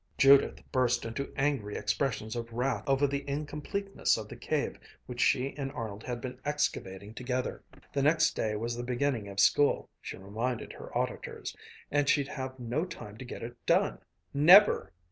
Judith burst into angry expressions of wrath over the incompleteness of the cave which she and Arnold had been excavating together. The next day was the beginning of school, she reminded her auditors, and she'd have no time to get it done! Never!